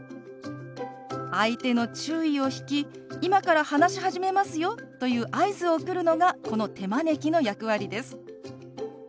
相手の注意を引き「今から話し始めますよ」という合図を送るのがこの手招きの役割です。